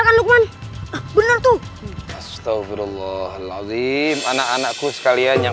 kan lukman bener tuh astaghfirullahaladzim anak anakku sekalian yang